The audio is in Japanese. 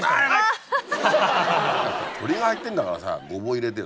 鶏が入ってんだからさごぼう入れてよ